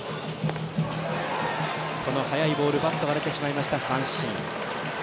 速いボールバットが出てしまいました三振。